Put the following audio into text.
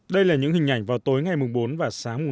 đây là những hình ảnh vào tối ngày bốn và sáng năm tháng bốn